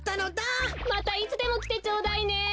またいつでもきてちょうだいね。